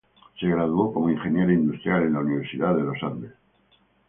Se graduó como Ingeniera Industrial en la Universidad de Los Andes.